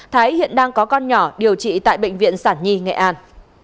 thái hiện đang có con nhỏ điều trị tại bệnh viện sản nhi nghệ an